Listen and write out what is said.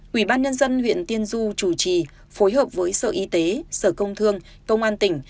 quỹ ban nhân dân huyện tiên du chủ trì phối hợp với sở y tế sở công thương công an tỉnh